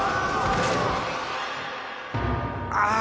あ！